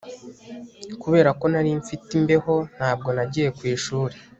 kubera ko nari mfite imbeho, ntabwo nagiye ku ishuri